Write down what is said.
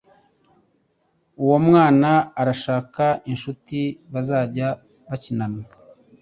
Uwo mwana arashaka inshuti bazajya bakinana.